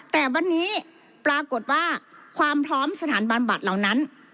แต่วันนี้ปรากฏว่าความพร้อมสถานบำบัดเหล่านั้น